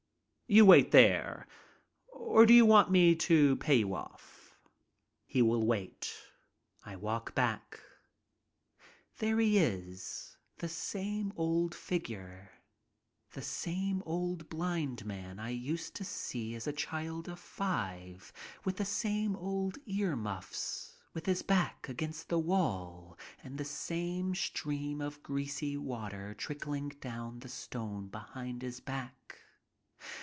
"You wait there, or do you want me to pay you off?" He will wait. I walk back. There he is, the same old figure, the same olci blind man 54 MY TRIP ABROAD I used to see as a child of five, with the same old earmuffs, with his back against the wall and the same stream of greasy water trickling down the stone behind his back.